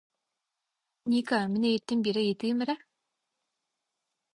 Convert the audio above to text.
Ника, мин эйигиттэн биири ыйытыым эрэ